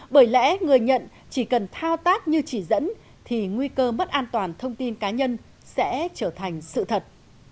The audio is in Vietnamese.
bởi lẽ người nhận chỉ cần thao tác như chỉ dẫn thì nguy cơ mất an toàn thông tin cá nhân sẽ trở thành sự thật